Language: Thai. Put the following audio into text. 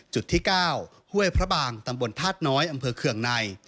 จุดที่๙ห้วยพระบางตำบลธาตุน้อยอำเภอเคืองใน